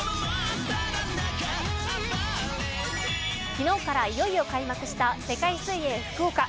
昨日からいよいよ開幕した世界水泳福岡。